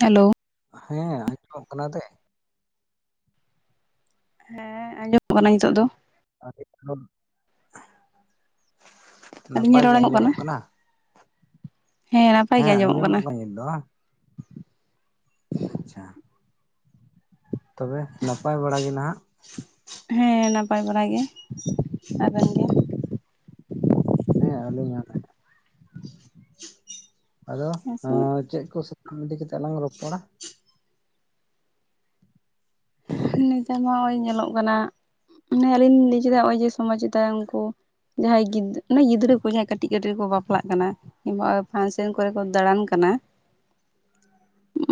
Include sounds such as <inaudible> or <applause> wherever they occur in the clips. Hello ᱦᱮᱸ ᱟᱸᱡᱚᱢᱚᱜ ᱠᱟᱱᱟ ᱛᱮ ᱦᱮᱸ ᱟᱸᱡᱚᱢᱚᱜ ᱠᱟᱱᱟ ᱱᱤᱛᱚᱜ ᱫᱚ ᱱᱟᱯᱟᱭ ᱜᱮ ᱟᱸᱡᱚᱢᱚᱜ ᱠᱟᱱᱟ ᱦᱮᱸ ᱱᱟᱯᱟᱭ ᱜᱮ ᱟᱸᱡᱚᱢᱚᱜ ᱠᱟᱱᱟ ᱫᱚ ᱟᱪᱪᱷᱟ ᱛᱚᱵᱮ ᱱᱟᱯᱟᱭ ᱵᱟᱲᱟᱜ ᱜᱮ ᱱᱟᱦᱟᱜ ᱦᱮᱸ ᱱᱟᱯᱟᱭ ᱵᱟᱲᱟ ᱜᱮ ᱟᱵᱮᱱ ᱜᱮ ᱦᱮᱸ ᱟᱹᱞᱤᱧ ᱦᱚᱸ ᱟᱫᱚ ᱦᱮᱸᱥᱮ ᱦᱮᱸ ᱪᱮᱫ ᱠᱚ ᱟᱢ ᱤᱫᱤ ᱠᱟᱛᱮᱫ ᱞᱟᱝ ᱨᱚᱯᱚᱲᱟ ᱱᱮᱛᱟᱨ ᱢᱟ ᱱᱚᱜᱼᱚᱭ ᱧᱮᱞᱚᱜ ᱠᱟᱱᱟ ᱢᱟ ᱟᱹᱞᱤᱧ ᱵᱩᱡᱮᱫᱟ ᱱᱚᱜᱼᱚᱭ ᱡᱮ ᱥᱚᱢᱟᱡᱽ ᱪᱮᱛᱟᱱ ᱨᱮ ᱩᱱᱠᱩ ᱡᱟᱦᱟᱸᱭ ᱜᱤᱫᱽ ᱜᱤᱫᱽᱨᱟᱹ ᱠᱚ ᱡᱟᱦᱟᱸ ᱠᱟᱹᱴᱤᱡ ᱠᱟᱹᱴᱤᱡ ᱨᱮᱠᱚ ᱵᱟᱯᱞᱟᱜ ᱠᱟᱱᱟ ᱟᱫᱚ ᱯᱷᱟᱱᱥᱮᱱ ᱠᱚᱨᱮ ᱠᱚ ᱫᱟᱬᱟᱱ ᱠᱟᱱᱟ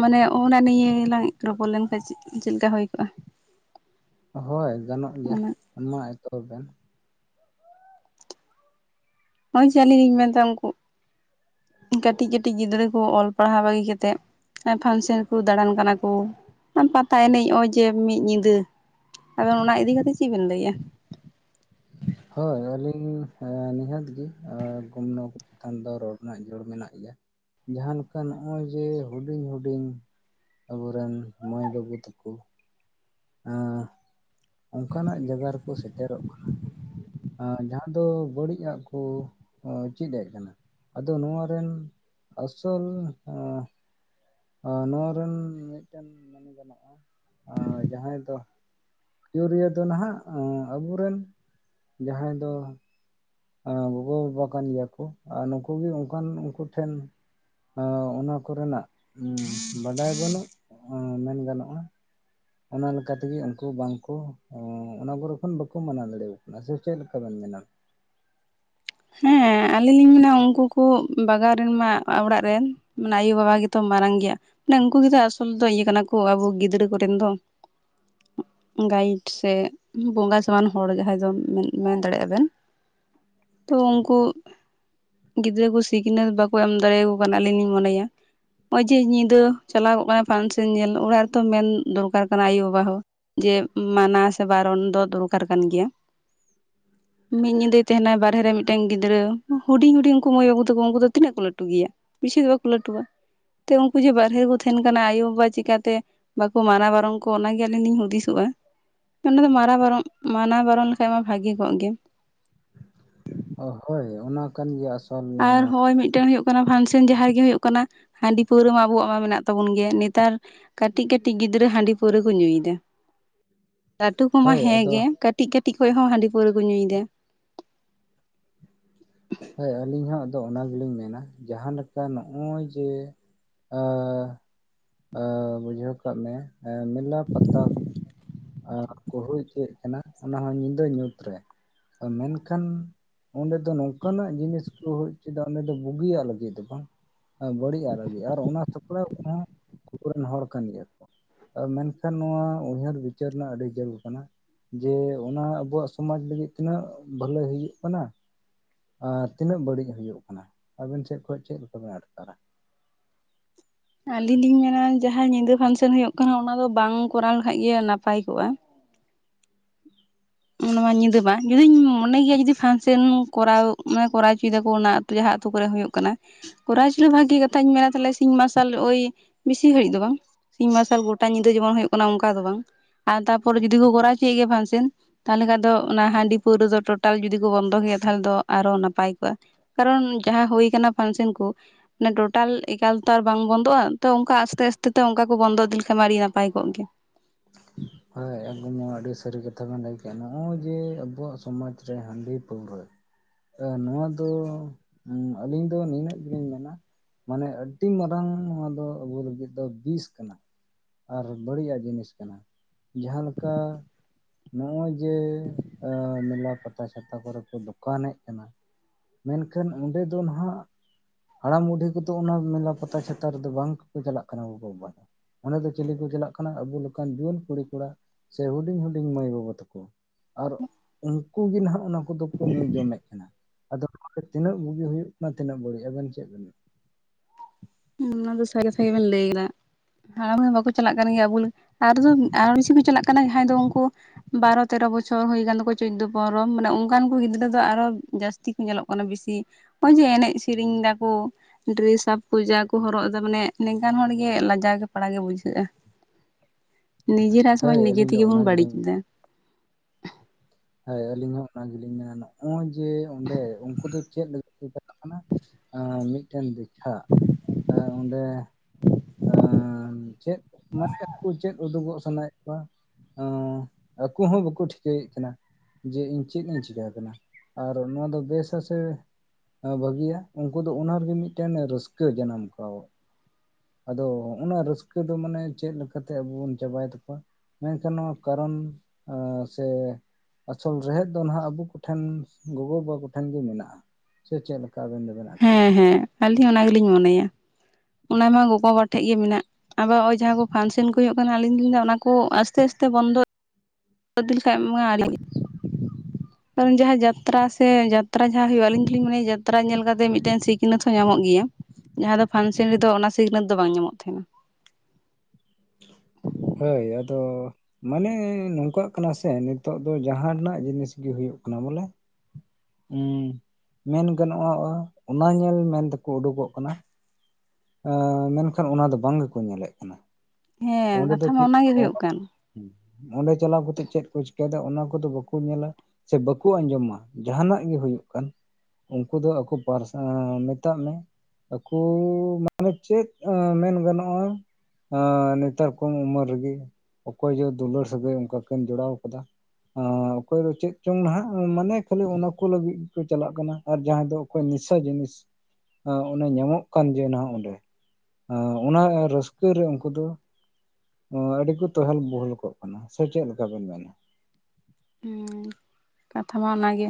ᱢᱟᱱᱮ ᱚᱱᱟ ᱱᱤᱭᱮ ᱞᱟᱝ ᱨᱚᱯᱚᱲ ᱞᱮᱱᱠᱷᱟᱱ ᱪᱮ ᱪᱮᱫ ᱞᱮᱠᱟ ᱦᱩᱭ ᱠᱚᱜ <inaudible> ᱦᱳᱭ ᱜᱟᱱᱚᱜ ᱜᱮᱭᱟ ᱢᱟ ᱮᱛᱚᱦᱚᱵ ᱵᱮᱱ ᱱᱚᱜᱼᱚᱭ ᱡᱮ ᱟᱹᱞᱤᱧ ᱞᱤᱧ ᱢᱮᱱᱫᱟ ᱩᱱᱠᱩ ᱠᱟᱹᱴᱤᱡ ᱠᱟᱹᱴᱤᱡ ᱜᱤᱫᱽᱨᱟᱹ ᱠᱚ ᱚᱞ ᱯᱟᱲᱦᱟᱣ ᱵᱟᱹᱜᱤ ᱠᱟᱛᱮᱫ ᱯᱷᱟᱱᱥᱮᱱ ᱠᱚ ᱫᱟᱬᱟᱱ ᱠᱟᱱᱟ ᱠᱚ ᱯᱟᱛᱟ ᱮᱱᱮᱡ ᱱᱚᱜᱼᱚᱭ ᱡᱮ ᱢᱤᱫ ᱧᱤᱫᱟᱹ ᱟᱫᱚ ᱚᱱᱟ ᱤᱫᱤ ᱠᱟᱛᱮ ᱪᱮᱫ ᱵᱮᱱ ᱞᱟᱹᱭᱮᱜᱼᱟ ᱦᱳᱭ ᱟᱹᱞᱤᱧ ᱱᱤᱦᱟᱹᱛ ᱜᱮ ᱮᱸᱻ ᱜᱚᱢᱱᱚ ᱠᱷᱟᱱ ᱫᱚ ᱨᱚᱲ ᱨᱮᱱᱟᱜ ᱡᱟᱹᱲ ᱢᱮᱱᱟᱜ ᱜᱮᱭᱟ ᱡᱟᱦᱟᱸ ᱞᱮᱠᱟ ᱱᱚᱜᱼᱚᱭ ᱡᱮ ᱦᱩᱰᱤᱧ ᱦᱩᱰᱤᱧ ᱟᱵᱩᱨᱮᱱ ᱢᱟᱹᱭ ᱵᱟᱹᱵᱩ ᱛᱟᱠᱚ ᱮᱸᱻ ᱚᱱᱠᱟᱱᱟᱜ ᱡᱟᱜᱟ ᱨᱮᱠᱚ ᱥᱮᱴᱮᱨᱚᱜ ᱠᱟᱱᱟ ᱮᱸᱻ ᱡᱟᱦᱟᱸ ᱫᱚ ᱵᱟᱹᱲᱤᱡ ᱟᱜ ᱠᱚ ᱪᱮᱫ ᱮᱫ ᱠᱟᱱᱟ ᱟᱫᱚ ᱱᱚᱣᱟ ᱨᱮᱱ ᱟᱥᱚᱞ ᱦᱚᱸᱻ ᱦᱮᱸ ᱱᱚᱣᱟ ᱨᱮᱱ ᱢᱤᱫᱴᱮᱱ ᱢᱮᱱ ᱜᱟᱱᱚᱜᱼᱟ ᱡᱟᱦᱟᱸᱭ ᱫᱚ ᱤᱭᱩᱨᱤᱭᱟᱹ ᱫᱚ ᱱᱟᱦᱟᱜ ᱟᱵᱚᱨᱮᱱ ᱡᱟᱦᱟᱸᱭ ᱫᱚ ᱮᱸᱻ ᱜᱚᱜᱚ ᱵᱟᱵᱟ ᱠᱟᱱ ᱜᱮᱭᱟ ᱠᱚ ᱟᱨ ᱱᱩᱠᱩᱜ ᱜᱮ ᱚᱱᱠᱟᱱ ᱩᱱᱠᱩ ᱴᱷᱮᱱ ᱦᱮᱸ ᱚᱱᱟ ᱠᱚᱨᱮᱱᱟᱜ ᱵᱟᱰᱟᱭ ᱵᱟᱹᱱᱩᱜ ᱢᱮᱱ ᱜᱟᱱᱚᱜᱼᱟ ᱚᱱᱟ ᱞᱮᱠᱟ ᱛᱮᱜᱮ ᱩᱱᱠᱩ ᱵᱟᱝᱠᱚ ᱚᱱᱟ ᱠᱚᱨᱮ ᱠᱷᱚᱱ ᱵᱟᱠᱚ ᱢᱟᱱᱟᱣ ᱫᱟᱲᱮᱭᱟ ᱠᱟᱱᱟ ᱥᱮ ᱪᱮᱫ ᱞᱮᱠᱟᱵᱮᱱ ᱢᱮᱱᱟ ᱦᱮᱸ ᱟᱹᱞᱤᱧ ᱞᱤᱧ ᱢᱮᱱᱟ ᱩᱝᱠᱩ ᱠᱚ ᱵᱟᱜᱟᱣ ᱨᱮᱱ ᱢᱟ ᱚᱲᱟᱜ ᱨᱮᱱ ᱢᱟᱱᱮ ᱟᱭᱳ ᱵᱟᱵᱟ ᱜᱮᱛᱚ ᱢᱟᱨᱟᱝ ᱜᱮᱭᱟ ᱵᱟᱝ ᱩᱱᱠᱩ ᱜᱮᱛᱚ ᱟᱥᱚᱞ ᱫᱚ ᱤᱭᱟᱹ ᱠᱟᱱᱟ ᱠᱚ ᱟᱵᱚ ᱜᱤᱫᱽᱨᱟᱹ ᱠᱚᱨᱮᱱ ᱫᱚ ᱜᱟᱭᱤᱰ ᱥᱮ ᱵᱚᱸᱜᱟ ᱥᱚᱢᱟᱱ ᱦᱚᱲ ᱡᱟᱦᱟᱸᱭ ᱫᱚ ᱢᱮᱱ ᱫᱟᱲᱮᱭᱟᱜᱼᱟ ᱵᱮᱱ ᱛᱚ ᱩᱱᱠᱩ ᱜᱤᱫᱽᱨᱟᱹ ᱠᱚ ᱥᱤᱠᱷᱱᱟᱹᱛ ᱵᱟᱠᱚ ᱮᱢ ᱫᱟᱲᱮᱭᱟᱠᱚ ᱠᱟᱱᱟ ᱟᱹᱞᱤᱧ ᱞᱤᱧ ᱢᱚᱱᱮᱭᱟ ᱱᱚᱜ ᱚᱭ ᱡᱮ ᱧᱤᱫᱟᱹ ᱪᱟᱞᱟᱣ ᱠᱚ ᱠᱟᱱᱟᱭ ᱯᱷᱟᱱᱥᱮᱱ ᱧᱮᱞ ᱚᱲᱟᱜ ᱨᱮᱛᱚ ᱢᱮᱱ ᱫᱚᱨᱠᱟᱨ ᱠᱟᱱᱟ ᱟᱭᱳ ᱵᱟᱵᱟ ᱦᱚᱸ ᱡᱮ ᱢᱟᱱᱟ ᱥᱮ ᱵᱟᱨᱚᱱ ᱫᱚ ᱫᱚᱨᱠᱟᱨ ᱠᱟᱱ ᱜᱮᱭᱟ ᱢᱤᱫ ᱧᱤᱫᱟᱹᱭ ᱛᱟᱦᱮᱱᱟᱭ ᱵᱟᱨ ᱮ ᱨᱮ ᱢᱤᱫᱴᱟᱝ ᱜᱤᱫᱽᱨᱟᱹᱦᱚᱰᱤᱝ ᱦᱚᱰᱤᱝ ᱢᱟᱹᱭ ᱵᱟᱹᱵᱩ ᱛᱟᱠᱚ ᱩᱱᱠᱩ ᱫᱚ ᱛᱤᱱᱟᱹᱜ ᱠᱚ ᱞᱟᱹᱴᱩ ᱜᱮᱭᱟ ᱵᱤᱥᱤ ᱫᱚ ᱵᱟᱠᱚ ᱞᱟᱹᱴᱩᱣᱟ ᱩᱱᱠᱩ ᱡᱮ ᱵᱟᱨᱦᱮ ᱠᱚ ᱛᱟᱦᱮᱱ ᱠᱟᱱᱟ ᱟᱭᱳ ᱵᱟᱵᱟ ᱪᱤᱠᱟᱛᱮ ᱵᱟᱠᱚ ᱢᱟᱱᱟ ᱵᱟᱨᱚᱱ ᱠᱚᱣᱟ ᱚᱱᱟᱜᱮ ᱟᱹᱞᱤᱧ ᱞᱤᱧ ᱦᱩᱫᱤᱥᱚᱜᱼᱟ ᱚᱱᱟ ᱫᱚ ᱢᱟᱨᱟ ᱵᱟᱨᱚ ᱢᱟᱱᱟ ᱵᱟᱨᱚᱱ ᱞᱮᱠᱷᱟᱡ ᱢᱟ ᱵᱷᱟᱹᱜᱤ ᱠᱚᱜ ᱜᱮ ᱚ ᱦᱳᱭ ᱚᱱᱟ ᱠᱟᱱ ᱜᱮᱭ ᱟᱥ ᱟᱨ ᱦᱚᱭ ᱢᱤᱫᱴᱮᱜ ᱦᱩᱭᱩᱜ ᱚᱱᱟ ᱯᱷᱟᱱᱥᱮᱱ ᱡᱟᱦᱟᱸ ᱨᱮᱜᱮ ᱦᱩᱭᱩᱜ ᱠᱟᱱᱟ ᱦᱟᱺᱰᱤ ᱯᱟᱹᱣᱨᱟᱹ ᱢᱟ ᱟᱵᱚᱣᱟᱜ ᱢᱟ ᱢᱮᱱᱟᱜ ᱛᱟᱵᱚᱱ ᱜᱮᱭᱟ ᱱᱮᱛᱟᱨ ᱠᱟᱹᱴᱤᱡ ᱠᱟᱹᱴᱤᱡ ᱜᱤᱫᱽᱨᱟᱹ ᱦᱟᱺᱰᱤ ᱯᱟᱹᱣᱨᱟᱹ ᱠᱚ ᱧᱩᱭᱮᱫᱟ ᱞᱟᱹᱴᱩ ᱠᱚᱢᱟ ᱦᱳᱭ ᱦᱮᱸ ᱟᱫᱚ ᱜᱮ ᱠᱟᱹᱴᱤᱡ ᱠᱟᱹᱴᱤᱡ ᱠᱩᱪ ᱦᱚᱸ ᱦᱟᱺᱰᱤ ᱯᱟᱹᱣᱨᱟᱹ ᱠᱚ ᱧᱩᱭᱮᱫᱟ ᱦᱳᱭ ᱟᱹᱞᱤᱧ ᱦᱚᱸ ᱟᱫᱜ ᱚᱱᱟ ᱜᱮᱞᱤᱧ ᱢᱮᱱᱟ ᱡᱟᱦᱟᱸ ᱞᱮᱠᱟ ᱱᱚᱜᱼᱚᱭ ᱡᱮ ᱮᱸᱻ ᱵᱩᱡᱷᱟᱹᱣ ᱠᱟᱜ ᱢᱮ ᱢᱮᱞᱟ ᱯᱟᱛᱟ ᱠᱚ ᱦᱩᱭᱪᱮᱫ ᱠᱟᱱᱟ ᱚᱱᱟᱦᱚᱸ ᱧᱤᱫᱟᱹ ᱧᱩᱛᱨᱮ ᱢᱮᱱᱠᱷᱟᱱ ᱚᱸᱰᱮ ᱫᱚ ᱱᱚᱝᱠᱟᱱᱟᱜ ᱡᱤᱱᱤᱥ ᱠᱚ ᱦᱩᱭ ᱦᱚᱪᱚᱭᱫᱟ ᱚᱸᱰᱮ ᱫᱚ ᱵᱩᱜᱤᱭᱟᱜ ᱞᱟᱹᱜᱤᱫ ᱫᱚ ᱵᱟᱝ ᱵᱟᱹᱲᱤᱡᱼᱟᱜ ᱞᱟᱹᱜᱤᱫ ᱟᱨ ᱚᱱᱟ ᱥᱟᱯᱲᱟᱣ ᱠᱚᱦᱚᱸ ᱟᱵᱚᱨᱮᱱ ᱦᱚᱲ ᱠᱟᱱ ᱜᱮᱭᱟ ᱠᱚ ᱟᱨ ᱢᱮᱱᱠᱷᱟᱱ ᱱᱚᱣᱟ ᱩᱭᱦᱟᱹᱨ ᱵᱤᱪᱟᱹᱨ ᱨᱮᱱᱟᱜ ᱟᱹᱰᱤ ᱡᱟᱹᱨᱩᱲ ᱠᱟᱱᱟ ᱡᱮ ᱚᱱᱟ ᱟᱵᱩᱣᱟᱜ ᱥᱚᱢᱟᱡᱽ ᱞᱟᱹᱜᱤᱫ ᱛᱤᱱᱟᱹᱜ ᱵᱷᱟᱹᱞᱟᱹᱭ ᱦᱩᱭᱩᱜ ᱠᱟᱱᱟ ᱟᱨ ᱛᱤᱱᱟᱹᱜ ᱵᱟᱹᱲᱤᱡ ᱦᱩᱭᱩᱜ ᱠᱟᱱᱟ ᱟᱵᱮᱱ ᱥᱮᱡ ᱠᱷᱚᱡ ᱪᱮᱫ ᱞᱮᱠᱟ ᱵᱮᱱ ᱟᱴᱠᱟᱨᱟ ᱟᱞᱤᱧ ᱞᱤᱧ ᱢᱮᱱᱟ ᱡᱟᱦᱟᱸ ᱧᱤᱫᱟᱹ ᱯᱷᱟᱱ ᱥᱮᱱ ᱦᱩᱭᱩᱜ ᱠᱟᱱᱟ ᱚᱱᱟ ᱫᱚ ᱵᱟᱝ ᱠᱚᱨᱟᱣ ᱞᱮᱠᱷᱟᱱ ᱜᱮ ᱱᱟᱯᱟᱭ ᱠᱚᱜᱼᱟ ᱧᱤᱫᱟᱹ ᱵᱟᱝ ᱡᱩᱫᱤᱧ ᱢᱚᱱᱮᱭ ᱜᱮᱭᱟ ᱡᱩᱫᱤ ᱯᱷᱟᱱ ᱥᱮᱱ ᱠᱚᱨᱟᱣ ᱢᱟᱱᱮ ᱠᱚᱨᱟᱣ ᱦᱚᱪᱚᱭ ᱫᱟᱠᱚ ᱚᱱᱟ ᱡᱟᱦᱟᱸ ᱟᱛᱩ ᱠᱚᱨᱮ ᱦᱩᱭᱩᱜ ᱠᱟᱱᱟ ᱠᱚᱨᱟᱣ ᱪᱩ ᱵᱷᱟᱹᱜᱤ ᱠᱟᱛᱷᱟᱧ ᱢᱮᱱᱟ ᱛᱟᱦᱞᱮ ᱥᱤᱧ ᱢᱟᱨᱥᱟᱞ ᱚᱭ ᱵᱤᱥᱤ ᱜᱷᱟᱹᱲᱤᱡ ᱫᱚ ᱵᱟᱝ ᱥᱤᱧ ᱢᱟᱨᱥᱟᱞ ᱜᱚᱴᱟ ᱧᱤᱫᱟᱹ ᱡᱮᱢᱚᱱ ᱦᱩᱭᱩᱜ ᱠᱟᱱᱟ ᱚᱱᱠᱟ ᱫᱚ ᱵᱟᱝ ᱟᱨ ᱛᱟᱨᱯᱚᱨᱮ ᱡᱩᱫᱤ ᱠᱚ ᱠᱚᱨᱟᱣ ᱚᱪᱚᱭᱮᱫ ᱜᱮᱭᱟ ᱯᱷᱟᱱᱥᱮᱱ ᱛᱟᱦᱚᱞᱮ ᱠᱷᱟᱱ ᱫᱚ ᱚᱱᱟ ᱦᱟᱺᱰᱤ ᱯᱟᱹᱣᱨᱟᱹ ᱫᱚ ᱴᱳᱴᱟᱞ ᱡᱩᱫᱤ ᱠᱚ ᱵᱚᱱᱫᱚ ᱠᱮᱭᱟ ᱛᱟᱦᱚᱞᱮ ᱫᱚ ᱟᱨᱚ ᱦᱚᱸ ᱱᱟᱯᱟᱭ ᱠᱚᱜᱼᱟ ᱠᱟᱨᱚᱱ ᱡᱟᱦᱟᱸ ᱦᱩᱭ ᱠᱟᱱᱟ ᱯᱷᱟᱱᱥᱮᱱ ᱠᱩ ᱢᱟᱱᱮ ᱴᱚᱴᱟᱞ ᱮᱠᱟᱞ ᱛᱚ ᱟᱨ ᱵᱟᱝ ᱵᱚᱱ ᱫᱚᱜᱼᱟ ᱛᱚ ᱚᱱᱠᱟ ᱟᱥᱛᱮ ᱟᱥᱛᱮ ᱛᱮ ᱚᱱᱠᱟ ᱠᱚ ᱵᱚᱱᱫᱚ ᱤᱫᱤ ᱞᱮᱠᱷᱟᱱ ᱢᱟ ᱟᱹᱰᱤ ᱱᱟᱯᱟᱭ ᱠᱚᱜ ᱜᱮᱭᱟ ᱦᱚᱭ ᱟᱵᱮᱱ ᱢᱟ ᱟᱹᱰᱤ ᱥᱟᱹᱨᱤ ᱠᱟᱛᱷᱟ ᱵᱤᱱ ᱞᱟᱹᱭ ᱠᱮᱫ ᱱᱚᱜᱼᱚᱭ ᱡᱮ ᱟᱵᱚᱣᱟᱜ ᱥᱚᱢᱟᱡᱽ ᱨᱮ ᱦᱟᱺᱰᱤ ᱯᱟᱹᱣᱨᱟᱹ ᱱᱚᱣᱟ ᱫᱚ ᱟᱹᱞᱤᱧ ᱫᱚ ᱱᱤᱱᱟᱹᱜ ᱜᱮᱞᱤᱧ ᱢᱮᱱᱟ ᱢᱟᱱᱮ ᱟᱹᱰᱤ ᱢᱟᱨᱟᱝ ᱱᱚᱣᱟ ᱫᱚ ᱟᱵᱚ ᱞᱟᱹᱜᱤᱫ ᱫᱚ ᱵᱤᱥ ᱠᱟᱱᱟ ᱟᱨ ᱵᱟᱹᱲᱤᱡ ᱟᱜ ᱡᱤᱱᱤᱥ ᱠᱟᱱᱟ ᱡᱟᱦᱟᱸ ᱞᱮᱠᱟ ᱱᱚᱜ ᱚᱭ ᱡᱮ ᱢᱮᱞᱟ ᱯᱟᱛᱟ ᱪᱷᱟᱛᱟ ᱠᱚᱨᱮ ᱠᱚ ᱫᱚᱠᱟᱱᱮᱜ ᱠᱟᱱᱟ ᱢᱮᱱ ᱠᱷᱟᱱ ᱚᱸᱰᱮ ᱫᱚ ᱱᱟᱦᱟᱜ ᱦᱟᱲᱟᱢ ᱵᱩᱰᱷᱤ ᱠᱚᱫᱚ ᱚᱱᱟ ᱢᱮᱞᱟ ᱯᱟᱛᱟ ᱪᱷᱟᱛᱟ ᱨᱮᱫᱚ ᱵᱟᱝᱠᱚ ᱪᱟᱞᱟᱜ ᱠᱟᱱᱟ ᱜᱚᱜᱚᱼᱵᱟᱵᱟ ᱚᱸᱰᱮ ᱫᱚ ᱪᱤᱞᱤ ᱠᱚ ᱪᱟᱞᱟᱜ ᱠᱟᱱᱟ ᱟᱵᱚ ᱞᱮᱠᱟᱱ ᱡᱩᱣᱟᱹᱱ ᱠᱩᱲᱤ ᱥᱮ ᱦᱩᱰᱤᱧ ᱦᱩᱰᱤᱧ ᱢᱟᱹᱭ ᱵᱟᱹᱵᱩ ᱛᱟᱠᱚ ᱟᱨ ᱩᱱᱠᱩ ᱜᱮ ᱱᱟᱦᱟᱸᱜ ᱚᱱᱟ ᱩᱱᱠᱩ ᱫᱚᱠᱚ ᱧᱩ ᱡᱚᱢᱮᱫ ᱠᱟᱱᱟ ᱟᱫᱚ ᱛᱤᱱᱟᱹᱜ ᱵᱩᱜᱤ ᱦᱩᱭᱩᱜ ᱠᱟᱱᱟ ᱛᱤᱱᱟᱹᱜ ᱵᱟᱹᱲᱤᱡ ᱟᱵᱮᱱ ᱪᱮᱫ ᱵᱮᱱ ᱚᱱᱟ ᱫᱚ ᱥᱟ. ᱨᱤ ᱥᱟ. ᱨᱤ ᱵᱮᱱ ᱞᱟᱹᱭ ᱠᱮᱫᱟ ᱦᱟᱲᱟᱢ ᱫᱚ ᱵᱟᱠᱚ ᱪᱟᱞᱟᱜ ᱠᱟᱱ ᱜᱮᱭᱟ ᱟᱵᱚ ᱟᱨᱫᱚ ᱟᱨ ᱵᱤᱥᱤ ᱠᱚ ᱪᱟᱞᱟᱜ ᱠᱟᱱᱟ ᱡᱟᱦᱟᱸᱭ ᱫᱚ ᱩᱱᱠᱩ ᱵᱟᱨᱚ ᱛᱮᱨᱚ ᱵᱚᱪᱷᱚᱨ ᱦᱩᱭ ᱟᱠᱟᱱ ᱛᱟᱠᱚᱣᱟ ᱪᱳᱪᱫᱳ ᱯᱚᱱᱨᱚ ᱢᱟᱱᱮ ᱚᱱᱠᱟᱱ ᱠᱚ ᱜᱤᱫᱽᱨᱟᱹ ᱫᱚ ᱟᱨᱚ ᱡᱟᱹᱥᱛᱤ ᱛᱤ ᱠᱚ ᱧᱮᱞᱚᱜ ᱠᱟᱱᱟ ᱵᱤᱥᱤ ᱱᱚᱜ ᱚᱭ ᱡᱮ ᱮᱱᱮᱡ ᱥᱮᱨᱮᱧ ᱫᱟᱠᱚ ᱰᱨᱮᱥ ᱟᱯ ᱡᱟ ᱠᱩ ᱦᱚᱨᱚᱜ ᱫᱟ ᱢᱟᱱᱮ ᱱᱮᱝᱠᱟᱱ ᱦᱚᱲ ᱜᱮ ᱞᱟᱡᱟᱣ ᱜᱮ ᱯᱟᱲᱟᱜ ᱜᱮ ᱵᱩᱡᱷᱟᱹᱣᱜᱼᱟ ᱱᱤᱡᱮᱨᱟᱜ ᱥᱚᱢᱟᱡᱽ ᱦᱳᱭ ᱱᱤᱡᱮ ᱟᱹᱞᱤᱧ ᱫᱚ ᱛᱮᱜᱮ ᱚᱱᱟ ᱵᱚᱱ ᱵᱟᱹᱲᱤᱡ ᱜᱮᱞᱤᱧ ᱫᱟ ᱦᱳᱭ ᱟᱹᱞᱤᱧ ᱦᱚᱸ ᱚᱱᱟ ᱜᱮᱞᱤᱧ ᱢᱮᱱᱟ ᱱᱚᱜᱼᱚᱭ ᱡᱮ ᱚᱸᱰᱮ ᱩᱱᱠᱩ ᱫᱚ ᱪᱮᱫ ᱞᱮᱠᱟ ᱠᱚ ᱪᱟᱞᱟᱜ ᱠᱟᱱᱟ ᱢᱤᱫ ᱴᱷᱮᱱ ᱫᱤᱠᱷᱟᱜ ᱦᱮᱸ ᱚᱸᱰᱮ ᱪᱮᱫ ᱢᱟᱱᱮ ᱩᱱᱠᱩ ᱪᱮᱫ ᱩᱫᱩᱜᱚᱜ ᱥᱟᱱᱟᱭᱮᱫ ᱠᱚᱣᱟ ᱟᱠᱚ ᱦᱚᱸ ᱵᱟᱠᱚ ᱴᱷᱤᱠᱟᱹᱭᱮᱫ ᱠᱟᱱᱟ ᱡᱮ ᱤᱧ ᱪᱮᱫ ᱤᱧ ᱪᱤᱠᱟᱹ ᱟᱠᱟᱱᱟ ᱟᱨ ᱱᱚᱣᱟ ᱫᱚ ᱵᱮᱥ ᱟᱥᱮ ᱵᱷᱟᱹᱜᱤᱭᱟ ᱩᱱᱠᱩ ᱫᱚ ᱚᱱᱟ ᱨᱮᱜᱮ ᱢᱤᱫᱴᱮᱱ ᱨᱟᱹᱥᱠᱟᱹ ᱡᱟᱱᱟᱢ ᱟᱠᱟᱣᱟᱫ ᱟᱫᱚ ᱨᱟᱹᱥᱠᱟᱹ ᱫᱚ ᱢᱟᱱᱮ ᱪᱮᱫ ᱞᱮᱠᱟᱛᱮ ᱟᱵᱚ ᱵᱚᱱ ᱪᱟᱵᱟᱭ ᱛᱟᱠᱚᱣᱟ ᱢᱮᱱᱠᱷᱟᱱ ᱱᱚᱣᱟ ᱠᱟᱨᱚᱱ ᱥᱮ ᱟᱥᱚᱞ ᱨᱮᱦᱮᱫ ᱫᱚ ᱱᱟᱦᱟᱸᱜ ᱟᱵᱚ ᱠᱚᱴᱷᱮᱱ ᱜᱚᱜᱚ ᱵᱟᱵᱟ ᱠᱚᱴᱷᱮᱱ ᱜᱮ ᱢᱮᱱᱟᱜᱼᱟ ᱥᱮ ᱪᱮᱫ ᱞᱮᱠᱟ ᱟᱵᱮᱱ ᱫᱚ ᱵᱮᱱ ᱦᱮᱸ ᱦᱮᱸ ᱟᱹᱞᱤᱧ ᱚᱱᱟ ᱜᱮᱞᱤᱧ ᱢᱚᱱᱮᱭᱟ ᱚᱱᱟ ᱢᱟ ᱜᱚᱜᱚ ᱵᱟᱵᱟ ᱴᱷᱮᱡ ᱜᱮ ᱢᱮᱱᱟᱜ ᱟᱵᱟᱨ ᱱᱚᱜᱼᱚᱭ ᱡᱟᱦᱟᱸ ᱠᱚ ᱯᱷᱟᱱᱥᱮᱱ ᱠᱚ ᱦᱩᱭᱩᱜ ᱠᱟᱱᱟ ᱟᱞᱤᱧ ᱫᱚᱞᱤᱧ ᱢᱮᱱᱮᱫᱟ ᱚᱱᱟ ᱠᱚ ᱟᱥᱛᱮ ᱟᱥᱛᱮ ᱵᱚᱱᱫᱚ ᱤᱫᱤ ᱞᱮᱠᱷᱟᱱ ᱢᱟ ᱟᱰᱤ ᱵᱮᱥ ᱱᱚᱜᱼᱚᱭ ᱡᱟᱦᱟᱸ ᱡᱟᱛᱨᱟ ᱥᱮ ᱡᱟᱛᱨᱟ ᱡᱟᱦᱟᱸ ᱦᱩᱭᱩᱜᱼᱟ ᱟᱞᱤᱧ ᱫᱚᱞᱤᱧ ᱢᱚᱱᱮᱭᱟ ᱡᱟᱛᱨᱟ ᱧᱮᱞ ᱠᱟᱛᱮ ᱛᱮ ᱢᱤᱫᱴᱮᱱ ᱥᱤᱠᱷᱱᱟᱹᱛ ᱦᱚᱸ ᱧᱟᱢᱚᱜ ᱜᱮᱭᱟ ᱡᱟᱦᱟᱸ ᱫᱚ ᱯᱷᱟᱱᱥᱮᱱ ᱨᱮᱫᱚ ᱚᱱᱟ ᱥᱤᱠᱷᱱᱟᱹᱛ ᱫᱚ ᱵᱟᱝ ᱧᱟᱢᱚᱜ ᱛᱟᱦᱮᱸᱱᱟ ᱦᱳᱭ ᱟᱫᱚ ᱢᱟᱱᱮ ᱱᱚᱝᱠᱟᱜ ᱠᱟᱱᱟ ᱥᱮ ᱱᱤᱛᱚᱜ ᱫᱚ ᱡᱟᱦᱟᱸᱱᱟᱜ ᱡᱤᱱᱤᱥᱜᱤ ᱦᱩᱭᱩᱜ ᱠᱟᱱᱟ ᱵᱚᱞᱮ ᱩ ᱢᱮᱱ ᱜᱟᱱᱚᱜᱼᱟ ᱚᱱᱟ ᱧᱮᱞ ᱢᱮᱱ ᱛᱮᱠᱚ ᱩᱰᱩᱠᱚᱜ ᱠᱟᱱᱟ ᱮ ᱢᱮᱱᱠᱷᱟᱱ ᱚᱱᱟ ᱫᱚ ᱵᱟᱝ ᱜᱮᱠᱚ ᱧᱮᱞᱮᱫ ᱠᱟᱱᱟ ᱦᱮᱸ ᱚᱸᱰᱮ ᱫᱚ ᱠᱟᱛᱷᱟ ᱢᱟ ᱪᱮᱫ ᱚᱱᱟᱜᱮ ᱦᱩᱭᱩᱜ ᱠᱟᱱ ᱚᱸᱰᱮ ᱪᱟᱞᱟᱣ ᱠᱟᱛᱮᱜ ᱪᱮᱫ ᱠᱚ ᱪᱤᱠᱟᱹᱭ ᱮᱫᱟ ᱚᱱᱟ ᱠᱚᱫᱚ ᱵᱟᱠᱚ ᱧᱮᱞᱟ ᱥᱮ ᱵᱟᱠᱚ ᱟᱸᱡᱚᱢᱟ ᱡᱟᱦᱱᱟᱜ ᱜᱮ ᱦᱩᱭᱩᱜ ᱠᱟᱱ ᱩᱱᱠᱩ ᱫᱚ ᱟᱠᱚ ᱯᱟᱨ ᱢᱮᱛᱟᱜ ᱢᱮ ᱟᱠᱚ ᱢᱟᱱᱮ ᱪᱮᱫ ᱢᱮᱱ ᱜᱟᱱᱚᱜᱼᱟ ᱱᱮᱛᱟᱨ ᱠᱚᱢ ᱩᱢᱮᱨ ᱨᱮᱜᱮ ᱚᱠᱚᱭ ᱫᱚ ᱫᱩᱞᱟᱹᱲ ᱥᱟᱹᱜᱟᱹᱭ ᱚᱱᱠᱟ ᱠᱤᱱ ᱡᱚᱲᱟᱣ ᱟᱠᱟᱫᱟ ᱟᱸ ᱚᱠᱚᱭ ᱫᱚ ᱪᱮᱫ ᱪᱚᱝ ᱱᱟᱦᱟᱜ ᱢᱟᱱᱮ ᱠᱷᱟᱹᱞᱤ ᱚᱱᱟ ᱠᱚ ᱞᱟᱹᱜᱤᱫ ᱜᱮ ᱪᱟᱞᱟᱜ ᱠᱟᱱᱟ᱾ ᱟᱨ ᱡᱟᱦᱟᱸ ᱫᱚ ᱚᱠᱚᱭ ᱱᱤᱥᱟᱹ ᱡᱤᱱᱤᱥ ᱚᱱᱮ ᱧᱟᱢᱚᱜ ᱠᱟᱱ ᱡᱮ ᱱᱟᱦᱟᱜ ᱚᱸᱰᱮ <unintelligible> ᱚᱱᱟ ᱨᱟᱹᱥᱠᱟᱹ ᱨᱮ ᱩᱱᱠᱩ ᱫᱚ᱾ ᱟᱹᱰᱤ ᱠᱚ ᱛᱳᱦᱮᱞ ᱵᱚᱦᱮᱞ ᱠᱚᱜ ᱠᱟᱱᱟ ᱥᱮ ᱪᱮᱫ ᱞᱮᱠᱟᱵᱮᱱ ᱢᱮᱱᱟ᱾ ᱦᱮᱸ ᱠᱟᱛᱷᱟ ᱢᱟ ᱚᱱᱟᱜᱮ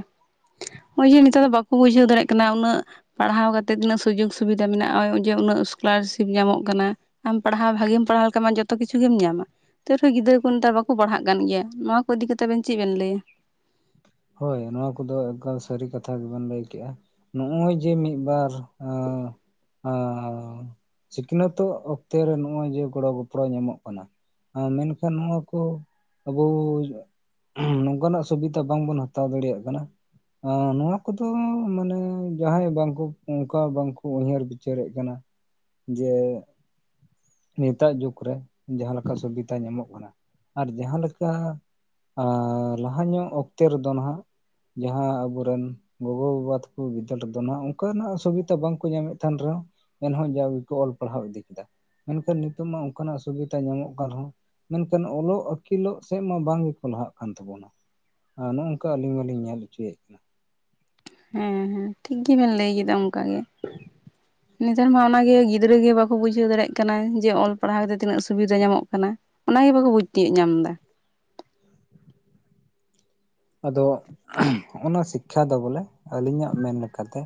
ᱱᱚᱜᱼᱚᱭ ᱡᱮ ᱱᱮᱛᱟᱨ ᱫᱚ ᱵᱟᱠᱚ ᱵᱩᱡᱷᱟᱹᱣ ᱫᱟᱲᱮᱭᱟᱜ ᱠᱟᱱᱟ ᱩᱱᱟᱹᱜ ᱯᱟᱲᱦᱟᱣ ᱠᱟᱛᱮᱜ ᱛᱤᱱᱟᱹᱜ ᱥᱩᱡᱳᱜᱽ ᱥᱩᱵᱤᱫᱷᱟ ᱢᱮᱱᱟᱜᱼᱟ ᱱᱚᱜ ᱚᱭ ᱡᱮ ᱩᱱᱟᱹᱜ ᱥᱠᱚᱞᱟᱨᱥᱤᱯ ᱧᱟᱢᱚᱜ ᱠᱟᱱᱟ᱾ ᱟᱢ ᱯᱟᱲᱦᱟᱣ ᱵᱷᱟᱹᱜᱤᱢ ᱯᱟᱲᱦᱟᱣ ᱞᱮᱠᱷᱟᱱ ᱡᱚᱛᱚ ᱠᱤᱪᱷᱩ ᱜᱮᱢ ᱧᱟᱢᱟ᱾ ᱱᱮᱛᱟᱨ ᱠᱚ ᱜᱤᱫᱽᱨᱟᱹ ᱠᱚ ᱱᱮᱛᱟᱨ ᱵᱟᱠᱚ ᱯᱟᱲᱦᱟᱜ ᱠᱟᱱ ᱜᱮᱭᱟ ᱱᱚᱣᱟ ᱠᱚ ᱤᱫᱤ ᱠᱟᱛᱮ ᱟᱵᱮᱱ ᱪᱮᱫ ᱵᱮᱱ ᱞᱟᱹᱭᱟ ᱦᱳᱭ ᱱᱚᱣᱟ ᱠᱚᱫᱚ ᱮᱠᱟᱞ ᱥᱟᱹᱨᱤ ᱠᱟᱛᱷᱟ ᱜᱮᱵᱮᱱ ᱞᱟᱹᱭ ᱠᱮᱫᱜᱼᱟ ᱱᱚᱜᱼᱚᱭ ᱡᱮ ᱢᱤᱫᱵᱟᱨ <unintelligible> ᱟᱨ ᱥᱤᱠᱷᱱᱟᱹᱛᱚᱜ ᱚᱠᱛᱮ ᱨᱮ ᱱᱚᱜᱼᱚᱭ ᱡᱮ ᱜᱚᱲᱚ ᱜᱚᱯᱚᱲᱚ ᱧᱟᱢᱚᱜ ᱠᱟᱱᱟ ᱢᱮᱱᱠᱷᱟᱱ ᱱᱚᱣᱟ ᱠᱚ ᱟᱵᱩ <unintelligible> ᱱᱚᱝᱠᱟᱱᱟᱜ ᱥᱩᱵᱤᱛᱟ ᱵᱟᱝᱵᱚᱱ ᱦᱟᱛᱟ᱾ ᱦᱟᱛᱟᱣ ᱫᱟᱲᱮᱭᱟᱜ ᱠᱟᱱᱟ ᱟ ᱱᱚᱣᱟ ᱠᱳᱫᱚ ᱢᱟᱱᱮ ᱡᱟᱦᱟᱸᱭ ᱵᱟᱝᱠᱳ ᱚᱱᱠᱟ ᱵᱟᱝᱠᱚ ᱩᱭᱦᱟᱹᱨ ᱵᱤᱪᱟᱹᱨᱮᱫ ᱠᱟᱱᱟ ᱡᱮ ᱱᱤᱛᱟᱜ ᱡᱩᱜᱽᱨᱮ ᱡᱟᱦᱟᱸ ᱞᱮᱠᱟ ᱥᱩᱵᱤᱛᱟ ᱧᱟᱢᱚᱜ ᱠᱟᱱᱟ ᱟᱨ ᱡᱟᱦᱟᱸ ᱞᱮᱠᱟ ᱟᱨ ᱞᱟᱦᱟ ᱧᱚᱜ ᱚᱠᱛᱮ ᱨᱮᱫᱚ ᱱᱟᱦᱜ᱾ ᱡᱟᱦᱟᱸ ᱟᱵᱚᱨᱮᱱ᱾ ᱜᱚᱜᱚ ᱵᱟᱵᱟ ᱛᱟᱠᱚ ᱵᱤᱫᱟᱹᱞ ᱨᱮᱫᱚ ᱢᱟ ᱚᱱᱠᱟᱱᱟᱜ ᱥᱩᱵᱤᱛᱟ ᱵᱟᱝᱠᱚ ᱧᱟᱢᱮᱫ ᱛᱟᱦᱮᱱ ᱨᱮᱦᱚᱸ᱾ ᱮᱱᱦᱚᱸ ᱡᱟᱣᱜᱮᱠᱚ ᱚᱞ ᱯᱟᱲᱦᱟᱣ ᱤᱫᱤ ᱠᱮᱫᱟ ᱢᱮᱱᱠᱷᱟᱱ ᱱᱤᱛᱚᱜ ᱢᱟ ᱚᱱᱠᱟᱱᱟᱜ ᱥᱩᱵᱤᱛᱟ ᱧᱟᱢᱚᱜ ᱠᱟᱱ ᱨᱮᱦᱚᱸ᱾ ᱢᱮᱱᱠᱷᱟᱱ ᱚᱞᱚᱜ ᱟᱹᱠᱤᱞᱚᱜ ᱥᱮᱫ ᱢᱟ ᱵᱟᱝ ᱜᱮᱠᱚ ᱞᱟᱦᱟᱜ ᱠᱟᱱ ᱛᱟᱵᱚᱱᱟ <unintelligible> ᱱᱚᱠ᱾ ᱚᱱᱠᱟ ᱟᱹᱞᱤᱧ ᱢᱟᱞᱤᱧ ᱧᱮᱞ ᱚᱪᱚᱭᱮᱫ ᱠᱟᱱᱟ᱾ ᱦᱮᱸ ᱦᱮᱸ ᱴᱷᱤᱠ ᱜᱮᱵᱮᱱ ᱞᱟᱹᱭ ᱠᱮᱫᱟ ᱚᱱᱠᱟ ᱜᱮ᱾ ᱱᱮᱛᱟᱨ ᱢᱟ ᱚᱱᱟᱜᱮ ᱜᱤᱫᱽᱨᱟᱹ ᱜᱮ ᱵᱟᱠᱚ ᱵᱩᱡᱷᱟᱹᱣ ᱫᱟᱲᱮᱭᱟᱜ ᱠᱟᱱᱟ ᱡᱮ ᱚᱞ ᱯᱟᱲᱦᱟᱣ ᱠᱟᱛᱮ ᱛᱤᱱᱟᱹᱜ ᱥᱩᱵᱤᱫᱟ ᱧᱟᱢᱚᱜ ᱠᱟᱱᱟ᱾ ᱚᱱᱟᱜᱮ ᱵᱟᱠᱳ ᱵᱩᱡᱽ ᱛᱤᱭᱳᱜ ᱧᱟᱢ ᱟᱫᱚ ᱚᱱᱟ ᱥᱤᱠᱠᱷᱟ ᱫᱚ ᱵᱚᱞᱮ ᱟᱹᱞᱤᱧᱟᱜ ᱢᱮᱱ ᱞᱮᱠᱟᱛᱮ...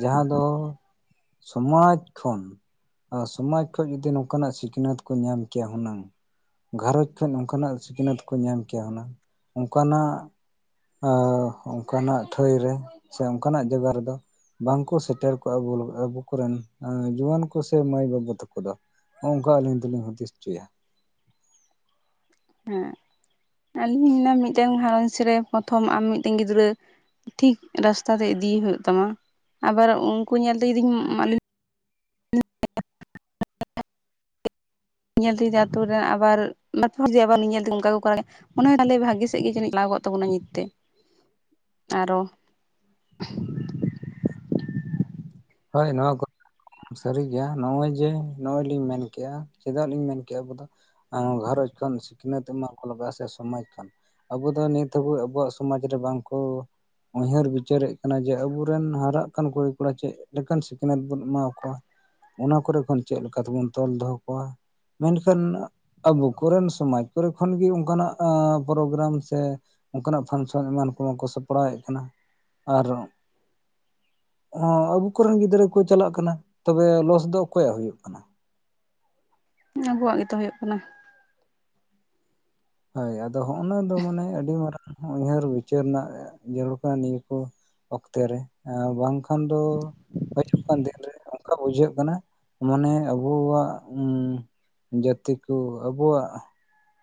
ᱡᱟᱦᱟᱸ ᱫᱚ ᱥᱚᱢᱟᱡᱽ ᱠᱷᱚᱱ᱾ ᱟᱨ ᱥᱚᱢᱟᱡᱽ ᱠᱷᱚᱡ ᱡᱩᱚᱫᱤ ᱱᱚᱝᱠᱟᱱᱟᱜ ᱥᱤᱠᱷᱱᱟᱹᱛ ᱠᱚ ᱧᱟᱢ ᱠᱮᱭᱟ ᱦᱩᱱᱟᱹᱝ᱾ ᱜᱷᱟᱨᱚᱸᱡᱽ ᱠᱷ ᱚᱱᱠᱟᱱᱟᱜ ᱥᱤᱠᱷᱱᱟᱹᱛ ᱠᱚ ᱧᱟᱢ ᱠᱮᱭᱟ ᱦᱩᱱᱟᱹ ᱚᱱᱠᱟᱱᱟᱜ᱾ <unintelligible> ᱚᱱᱠᱟᱱᱟᱜ ᱛᱷᱟᱹᱭ ᱨᱮ ᱥᱮ ᱚᱱᱠᱟᱱᱟᱜ ᱡᱚᱜᱟ ᱨᱮ ᱫᱚ᱾ ᱵᱟᱝᱠᱚ ᱥᱮᱴᱮᱨ ᱠᱚᱜᱼᱟ ᱟᱵᱚ ᱠᱚᱨᱮᱱ ᱡᱩᱣᱟᱹᱱ ᱠᱚ ᱥᱮ ᱢᱟᱹᱭ ᱵᱟᱹᱵᱩ ᱛᱟᱠᱚ ᱫᱚ᱾ <unintelligible> ᱟᱞᱤᱧ ᱫᱚ ᱞᱤᱧ ᱦᱩᱫᱤᱥᱪᱚᱭᱟ᱾ ᱦᱮᱸ ᱟᱹᱞᱤᱧ ᱢᱤᱫᱴᱮᱱ ᱜᱷᱟᱨᱚᱸᱡᱽ ᱨᱮ ᱯᱨᱚᱛᱷᱚᱢ ᱟᱢ ᱢᱤᱫᱴᱮᱱ ᱜᱤᱫᱽᱨᱟᱹ᱾ ᱴᱷᱤᱠ ᱨᱟᱥᱛᱟ ᱛᱮ ᱤᱫᱤᱭᱮ ᱦᱩᱭᱩᱜ ᱛᱟᱢᱟ ᱟᱵᱟᱨ ᱩᱱᱠᱩ ᱧᱮᱞᱛᱮ ᱡᱩᱫᱤᱧ ᱢᱟᱞᱤᱱ᱾ <inaudible> ᱧᱮᱞ ᱛᱮ ᱡᱩᱫᱤ ᱟᱛᱩᱨ ᱨᱮᱱ ᱟᱵᱟᱨ ᱵᱟᱨ ᱯᱮ ᱦᱚᱲ ᱡᱮ ᱟᱵᱟᱨ ᱟᱞᱤᱧ ᱧᱮᱞ ᱛᱮ ᱚᱱᱠᱟ ᱠᱚ ᱠᱚᱨᱟᱣ ᱫᱟᱲᱮ ᱢᱚᱱᱮ ᱛᱟᱦᱚᱞᱮ ᱵᱷᱟᱹᱜᱤ ᱥᱮᱫ ᱜᱮ ᱡᱟᱹᱱᱤᱡ ᱞᱟᱦᱟ ᱠᱚᱜ ᱛᱟᱵᱚᱱᱟ ᱱᱤᱛ ᱛᱮ᱾ ᱟᱨᱚ ᱦᱚᱸ <unintelligible> ᱦᱳᱭ ᱱᱚᱣᱟ ᱠᱚ᱾ ᱥᱟᱹᱨᱤ ᱜᱮ ᱱᱚᱜᱼᱚᱭ ᱡᱮ ᱱᱚᱜᱼᱚᱭ ᱞᱤᱧ ᱢᱮᱱᱠᱮᱜᱼᱟ ᱪᱮᱫᱟᱜ ᱞᱤᱧ ᱢᱮᱱ ᱠᱮᱫᱮᱜᱼᱟ ᱟᱵᱚ ᱫᱚ᱾ ᱜᱷᱟᱨᱚᱧᱡᱽ ᱠᱷᱚᱱ ᱥᱤᱠᱷᱱᱟᱹᱛ ᱮᱢᱟ ᱠᱚ ᱞᱟᱜᱟᱜᱼᱟ ᱥᱮ ᱥᱚᱢᱟᱡᱽ ᱠᱷᱚ‌ᱱ᱾ ᱟᱵᱚ ᱫᱚ ᱱᱤᱛ ᱦᱟᱹᱵᱚ ᱟᱵᱚᱣᱟᱜ ᱥᱚᱢᱟᱡᱽ ᱨᱮ ᱵᱟᱝᱠᱚ ᱩᱭᱦᱟᱹᱨ ᱵᱤᱪᱟᱹᱨᱮᱫ ᱠᱟᱱᱟ ᱡᱮ ᱟᱵᱚᱨᱮᱱ ᱦᱟᱨᱟᱜ ᱠᱟᱱ ᱠᱩᱲᱤ ᱠᱚᱲᱟ ᱪᱮᱫ ᱪᱮᱫ ᱞᱮᱠᱟᱱ ᱥᱤᱠᱷᱱᱟᱹᱛ ᱵᱚᱱ ᱮᱢᱟ ᱠᱚᱣᱟ ᱚᱱᱟ ᱠᱚᱨᱮ ᱠᱷᱚᱱ ᱪᱮᱫ ᱞᱮᱠᱟ ᱛᱮᱵᱚᱱ ᱛᱚᱞ ᱫᱚᱦᱚ ᱠᱚᱣᱟ ᱢᱮᱱᱠᱷᱟᱱ ᱟᱵᱚ ᱠᱚᱨᱮᱱ ᱥᱚᱢᱟᱡᱽ ᱠᱚᱨᱮ ᱠᱷᱚᱱᱜᱮ ᱚᱱᱠᱟᱱᱟᱜ ᱯᱨᱳᱜᱨᱟᱢ ᱥᱮ... ᱳᱱᱠᱟᱱᱟᱜ ᱯᱷᱟᱱᱥᱚᱱ ᱮᱢᱟᱱ ᱠᱚᱦᱚ ᱠᱚ ᱥᱟᱯᱲᱟᱣᱮᱫ ᱠᱟᱱᱟ ᱟᱨ ᱦᱚᱸᱜ ᱟᱵᱚ ᱠᱚᱨᱮᱱ ᱜᱤᱫᱽᱨᱟᱹ ᱠᱚ ᱪᱟᱞᱟᱜ ᱠᱟᱱᱟ ᱛᱚᱵᱮ ᱞᱚᱥ ᱫᱚ ᱚᱠᱚᱭᱟᱜ ᱦᱩᱭᱩᱜ ᱠᱟᱱᱟ? ᱟᱵᱚᱣᱟᱜ ᱜᱮᱛᱚ ᱦᱩᱭᱩᱜ ᱠᱟᱱᱟ᱾ ᱦᱳᱭ ᱟᱫᱚ ᱦᱚᱜᱼᱱᱟ ᱫᱚ ᱢᱟᱱᱮ ᱟᱹᱰᱤ ᱢᱟᱨᱟᱝ ᱩᱭᱦᱟᱹᱨ ᱵᱤᱪᱟᱹᱨ ᱨᱮᱱᱟᱜ ᱡᱟᱹᱨᱩᱲ ᱠᱟᱱᱟ ᱱᱤᱭᱟᱹ ᱠᱚ᱾ ᱚᱠᱛᱮ ᱨᱮ ᱟᱨ ᱵᱟᱝᱠᱷᱟᱱ ᱫᱚ... ᱦᱤᱡᱩᱜ ᱠᱟᱱ ᱫᱤᱱᱨᱮ ᱚᱱᱠᱟ ᱵᱩᱡᱷᱟᱹᱜ ᱠᱟᱱᱟ ᱢᱟᱱᱮ ᱟᱵᱚᱣᱟᱜ... ᱡᱟᱛᱮ ᱠᱳ ᱟᱵᱳᱣᱟᱜ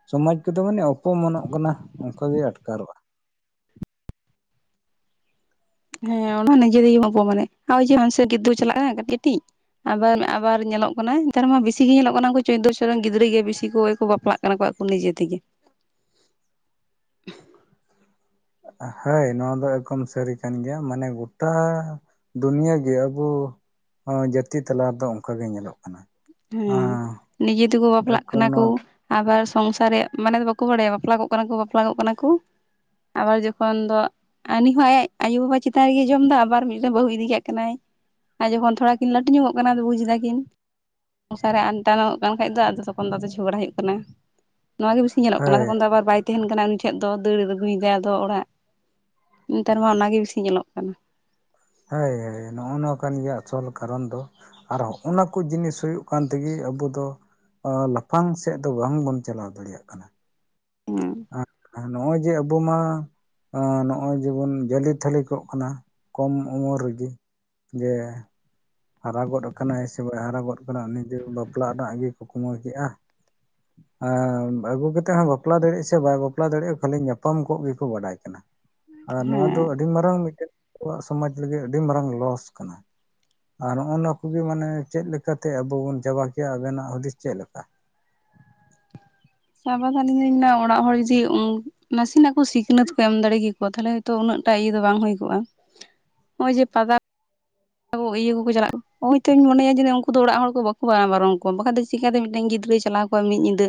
ᱥᱚᱢᱟᱡᱽ <unintelligible> ᱫᱚ ᱢᱟᱱᱮ ᱚᱯᱚᱢᱚᱱᱚᱜ ᱠᱟᱱᱟ ᱚᱱᱠᱟᱜ ᱜᱮ ᱟᱴᱠᱟᱨᱚᱜᱼᱟ᱾ ᱦᱮᱸ ᱚᱱᱟ ᱱᱤᱡᱮ ᱛᱮ ᱵᱳ ᱮᱯᱳ ᱢᱟᱱᱮᱜ ᱟᱨᱭ <unintelligible> ᱪᱟᱞᱟᱜᱼᱟ ᱠᱟᱹᱴᱤᱡ ᱠᱟᱹᱴᱤᱡ ᱟᱵᱟᱨ ᱟᱵᱟᱨ ᱧᱮᱞᱚᱜ ᱠᱟᱱᱟ ᱱᱮᱛᱟᱨ ᱢᱟ ᱵᱮᱥᱤ ᱜᱮ ᱧᱮᱞᱚᱜ ᱠᱟᱱᱟ ᱪᱳᱫᱽᱫᱳ ᱵᱚᱪᱷᱚᱨ ᱨᱮᱱ ᱜᱤᱫᱽᱨᱟᱹ ᱜᱮ ᱵᱤᱥᱤ ᱠᱚ ᱵᱟᱯᱞᱟᱜ ᱠᱟᱱᱟ ᱠᱟᱱᱟ ᱠᱚ ᱟᱠᱚ ᱱᱤᱡᱮ ᱛᱮᱜᱮ ᱦᱳᱭ ᱱᱚᱣᱟ ᱫᱚ ᱮᱠᱫᱚᱢ ᱥᱟᱹᱨᱤ ᱠᱟᱱ ᱜᱮᱭᱟ ᱢᱟᱱᱮ ᱜᱚᱴᱟ ᱫᱩᱱᱭᱟᱹᱜᱮ ᱟᱵᱚ ᱡᱟᱹᱛᱤ ᱛᱟᱞᱟ ᱨᱮᱫᱚ ᱚᱱᱠᱟᱜᱮ ᱧᱮᱞᱚᱜ ᱠᱟᱱᱟ ᱦᱮᱸ ᱱᱤᱡᱮ ᱛᱮᱠᱚ ᱵᱟᱯᱞᱟᱜ ᱮᱠᱫᱚᱢ ᱠᱟᱱᱟ ᱠᱚ ᱱᱚᱣᱟ ᱟᱵᱟᱨ ᱥᱚᱝᱥᱟᱨ ᱨᱮᱭᱟᱜ ᱢᱟᱱᱮ ᱫᱚ ᱵᱟᱠᱚ ᱵᱟᱲᱟᱭᱟ ᱵᱟᱯᱞᱟ ᱠᱚᱜ ᱠᱟᱱᱟ ᱠᱚ ᱵᱟᱯᱞᱟ ᱠᱚᱜ ᱠᱟᱱᱟ ᱠᱚ ᱟᱵᱟᱨ ᱡᱚᱠᱷᱚᱱ ᱫᱚ ᱟᱨ ᱩᱱᱤ ᱦᱚᱸ ᱟᱡ ᱟᱭᱩᱵᱟᱵᱟ ᱪᱮᱛᱟᱱ ᱨᱮᱜᱮᱭ ᱡᱚᱢ ᱮᱫᱟ ᱟᱵᱟᱨ ᱢᱤᱫᱴᱮᱱ ᱵᱟᱹᱦᱩ ᱤᱫᱤ ᱠᱟᱭ ᱠᱟᱱᱟᱭ ᱟᱨ ᱡᱚᱠᱷᱚᱱ ᱛᱷᱚᱲᱟ ᱠᱤᱱ ᱞᱟᱹᱴᱩ ᱧᱚᱜᱚᱜ ᱠᱟᱱᱟ ᱵᱩᱡᱽ ᱮᱫᱟ ᱠᱤᱱ ᱥᱚᱝᱥᱟᱨ ᱨᱮ ᱟᱱᱴᱟᱱᱚᱜ ᱠᱟᱱ ᱠᱷᱟᱡ ᱫᱚ ᱛᱚᱠᱷᱚᱱ ᱫᱚ ᱡᱷᱚᱜᱽᱲᱟ ᱦᱩᱭᱩᱜ ᱠᱟᱱᱟ ᱱᱚᱣᱟ ᱜᱮ ᱵᱤᱥᱤ ᱧᱮᱞᱚᱜ ᱠᱟᱱᱟ ᱦᱳᱭ ᱛᱚᱠᱷᱚᱱ ᱫᱚ ᱟᱵᱟᱨᱼᱼ ᱛᱟᱦᱮᱱ ᱠᱟᱱᱟ ᱩᱱᱤ ᱴᱷᱮᱱ ᱫᱚ ᱫᱟᱹᱲ ᱟᱹᱜᱩᱭᱮᱫᱟᱭ ᱟᱫᱚ ᱚᱲᱟᱜ ᱱᱮᱛᱟᱨ ᱢᱟ ᱚᱱᱟᱜᱮ ᱵᱤᱥᱤ ᱧᱮᱞᱚᱜ ᱠᱟᱱᱟ ᱦᱳᱭ ᱦᱳᱭ ᱱᱚᱜᱼᱚᱭ ᱱᱚᱣᱟ ᱠᱟᱱ ᱜᱮᱭᱟ ᱟᱥᱚᱞ ᱠᱟᱨᱚᱱ ᱫᱚ ᱟᱨ ᱦᱚᱸᱜᱼᱚᱸᱧ ᱚᱱᱟ ᱠᱚ ᱡᱤᱱᱤᱥ ᱦᱩᱭᱩᱜ ᱠᱟᱱ ᱛᱮᱜᱮ ᱟᱵᱚ ᱫᱚ ᱞᱟᱯᱷᱟᱝ ᱥᱮᱫ ᱫᱚ ᱵᱟᱝᱵᱚᱱ ᱪᱟᱞᱟᱣ ᱫᱟᱲᱮᱭᱟᱜ ᱠᱟᱱᱟ ᱦᱮᱸ ᱱᱚᱜᱼᱚᱭ ᱡᱮ ᱟᱵᱚ ᱢᱟ ᱱᱚᱜᱼᱚᱭ ᱡᱮᱢᱚᱱ ᱡᱟᱹᱞᱤ ᱛᱷᱟᱹᱞᱤ ᱠᱚᱜ ᱠᱟᱱᱟ ᱠᱚᱢ ᱩᱢᱮᱨ ᱨᱮᱜᱮ ᱡᱮ ᱦᱟᱨᱟᱜᱚᱫ ᱠᱟᱱᱟᱭ ᱥᱮ ᱵᱟᱭ ᱦᱟᱨᱟᱜᱚᱜ ᱠᱟᱱᱟ ᱩᱱᱤᱡᱮ ᱵᱟᱯᱞᱟ ᱨᱮᱱᱟᱜ ᱤᱭᱟ. ᱠᱚ ᱠᱩᱢᱟ. ᱣ ᱤᱫᱤᱜ ᱟ <inaudible> ᱟᱹᱜᱩ ᱠᱟᱛᱮᱜ ᱦᱚᱸ ᱵᱟᱯᱞᱟ ᱫᱟᱲᱮᱭᱟᱜ ᱥᱮ ᱵᱟᱭ ᱵᱟᱯᱞᱟ ᱫᱟᱲᱮᱭᱟᱜᱼᱟ ᱠᱷᱟᱹᱞᱤ ᱧᱟᱯᱟᱢ ᱠᱚᱜ ᱜᱮᱠᱚ ᱵᱟᱰᱟᱭ ᱠᱟᱱᱟ ᱟᱨ ᱱᱚᱣᱟ ᱫᱚ ᱦᱮᱸ ᱟᱹᱰᱤ ᱢᱟᱨᱟᱝ ᱢᱤᱫᱴᱮᱱ ᱟᱵᱚᱣᱟᱜ ᱥᱚᱢᱟᱡᱽ ᱞᱟᱹᱜᱤᱫ ᱟᱹᱰᱤ ᱢᱟᱨᱟᱝ ᱞᱚᱥ ᱠᱟᱱᱟ ᱟᱨ ᱱᱚᱜᱼᱚ ᱱᱚᱣᱟ ᱠᱚᱜᱮ ᱢᱟᱱᱮ ᱪᱮᱫ ᱞᱮᱠᱟᱛᱮ ᱟᱵᱚ ᱵᱚᱱ ᱪᱟᱵᱟ ᱠᱮᱭᱟ ᱟᱵᱮᱱᱟᱜ ᱦᱩᱫᱤᱥ ᱪᱮᱫ ᱞᱮᱠᱟ ᱪᱟᱵᱟ ᱫᱚ ᱟᱞᱤᱧ ᱢᱮᱱᱟ ᱚᱲᱟᱜ ᱦᱚᱲ ᱡᱩᱫᱤ ᱱᱟᱥᱮᱱᱟᱜ ᱠᱚ ᱥᱤᱠᱷᱱᱟᱹᱛ ᱠᱚ ᱮᱢ ᱫᱟᱲᱮ ᱠᱮᱠᱚᱣᱟ ᱛᱟᱦᱚᱞᱮ ᱦᱚᱭᱛᱳ ᱩᱱᱟᱹᱜ ᱴᱟ ᱤᱭᱟᱹ ᱫᱚ ᱵᱟᱝ ᱦᱩᱭ ᱠᱚᱜᱼᱟ ᱦᱚᱸᱚᱭ ᱡᱮ ᱯᱟᱛᱟ ᱠᱚ ᱤᱭᱟᱹ ᱠᱚᱠᱚ ᱪᱟᱞᱟᱜᱼᱟ ᱦᱚᱭᱛᱚᱧ ᱢᱚᱱᱮᱭᱟ ᱡᱮᱱ ᱩᱱᱠᱩ ᱫᱚ ᱚᱲᱟᱜ ᱦᱚᱲ ᱵᱟᱠᱚ ᱵᱟᱨᱚᱱ ᱠᱚᱣᱟ ᱵᱟᱠᱷᱟᱱ ᱫᱚ ᱪᱤᱠ ᱠᱟᱛᱮ ᱢᱤᱫᱴᱮᱱ ᱜᱤᱫᱽᱨᱟᱹ ᱪᱟᱞᱟᱣ ᱦᱚ ᱢᱤᱫ ᱧᱤᱫᱟᱹ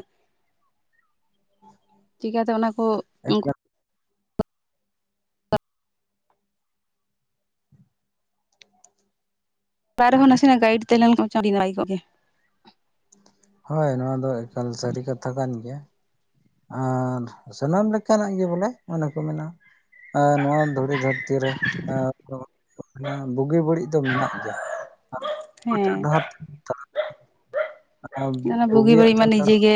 ᱪᱮᱠᱟᱛᱮ ᱚᱱᱟ ᱠᱚ ᱩᱱᱠᱩ ᱮᱠᱟᱞ ᱚᱲᱟᱜ ᱨᱮᱦᱚ ᱱᱟᱥᱮᱱᱟᱜ ᱜᱟᱭᱤᱰ ᱛᱮ ᱞᱮᱱ ᱠᱷᱟᱱ ᱟ. ᱰᱤ ᱱᱟᱯᱟᱭ ᱠᱚᱜ ᱜᱮᱭᱟ ᱦᱳᱭ ᱱᱚᱣᱟ ᱫᱚ ᱮᱠᱟᱞ ᱥᱟᱹᱨᱤ ᱠᱟᱛᱷᱟ ᱠᱟᱱ ᱜᱮᱭᱟ ᱟᱨ ᱥᱟᱱᱟᱢ ᱞᱮᱠᱟᱱᱟᱜ ᱜᱮ ᱵᱚᱞᱮ ᱚᱱᱟᱚᱱᱮ ᱠᱚ ᱢᱮᱱ ᱟ ᱮ ᱱᱚᱣᱟ ᱫᱷᱩᱲᱤ ᱫᱷᱟᱹᱨᱛᱤ ᱨᱮ ᱵᱩᱜᱤ ᱵᱟᱹᱲᱤᱡ ᱫᱚ ᱢᱮᱱᱟᱜ ᱜᱮᱭᱟ ᱟᱢ ᱚᱠᱟᱴᱟᱜ ᱦᱮᱸ ᱰᱟᱦᱟᱨ ᱛᱮᱢ ᱛᱟᱲᱟᱢᱧ ᱚᱱᱟ ᱵᱩᱜᱤ ᱵᱩᱜᱤᱭᱟᱜ ᱵᱟᱹᱲᱤᱡ ᱢᱟ ᱛᱮᱢ ᱱᱤᱡᱮ ᱛᱟᱲᱟᱢᱟ ᱜᱮ